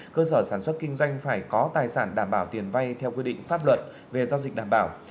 cơ sở sản xuất kinh doanh phải có tài sản đảm bảo tiền vay theo quy định pháp luật về giao dịch đảm bảo